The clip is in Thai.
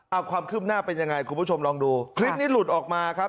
เอาความคืบหน้าเป็นยังไงคุณผู้ชมลองดูคลิปนี้หลุดออกมาครับ